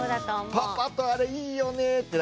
パパとあれいいよねって。